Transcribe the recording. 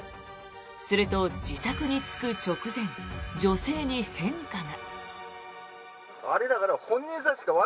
すると、自宅に着く直前女性に変化が。